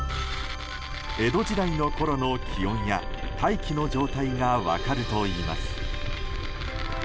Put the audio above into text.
江戸時代のころの気温や大気の状態が分かるといいます。